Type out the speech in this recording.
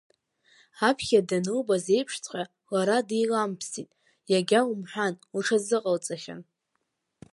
Аԥхьа данылбаз еиԥшҵәҟьа, лара деиламԥсеит, иагьа умҳәан, лҽазыҟалҵахьан.